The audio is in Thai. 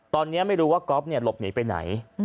ตอนนี้ไม่รู้ว่ากอล์ฟเนี่ยหลบหนีไปไหน